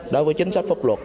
đối với chính sách pháp luật